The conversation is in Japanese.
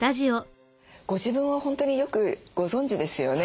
ご自分を本当によくご存じですよね。